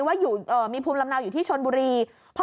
ว่ามีภูมิลำเนาอยู่ที่ชนบุรี